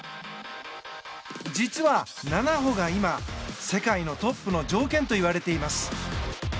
実は、７歩が今、世界のトップの条件といわれています。